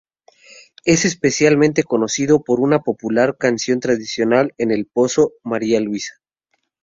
Es especialmente conocido por una popular canción tradicional "En el pozo María Luisa".